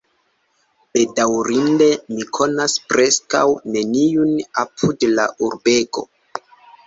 Bedaŭrinde, mi konas preskaŭ neniun apud la urbego.